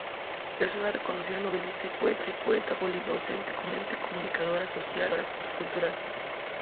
Es una reconocida novelista y poeta boliviana, docente, comunicadora social y gestora cultural.